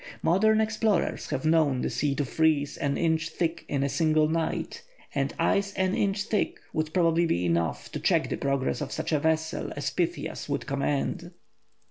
Modern explorers have known the sea to freeze an inch thick in a single night, and ice an inch thick would probably be enough to check the progress of such a vessel as Pytheas would command.